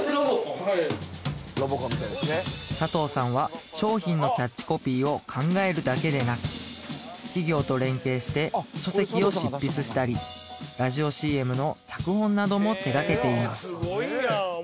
はい佐藤さんは商品のキャッチコピーを考えるだけでなく企業と連携して書籍を執筆したりラジオＣＭの脚本なども手がけています